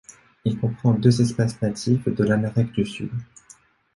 Il comprend deux espèces natives de l'Amérique du Sud.